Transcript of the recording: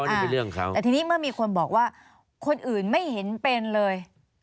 แต่ทีนี้เมื่อมีคนบอกว่าคนอื่นไม่เห็นเป็นเลย